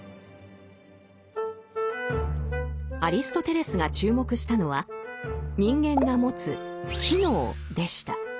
アリストテレスが注目したのは人間が持つ「機能」でした。